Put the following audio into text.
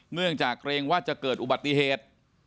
เนื่องจากเกรงว่าจะเกิดอุบัติเหตุ